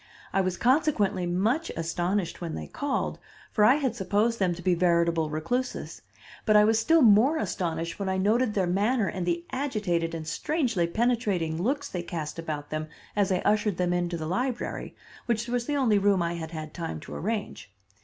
I was consequently much astonished when they called, for I had supposed them to be veritable recluses, but I was still more astonished when I noted their manner and the agitated and strangely penetrating looks they cast about them as I ushered them into the library, which was the only room I had had time to arrange.